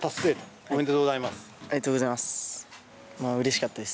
ありがとうございます。